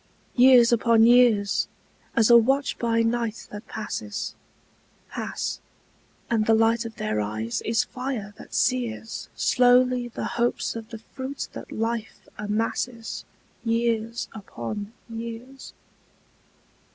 Years upon years, as a watch by night that passes, Pass, and the light of their eyes is fire that sears Slowly the hopes of the fruit that life amasses Years upon years.